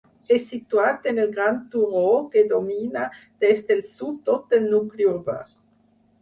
És situat en el gran turó que domina des del sud tot el nucli urbà.